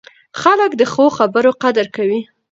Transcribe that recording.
خلک د ښو خبرو قدر کوي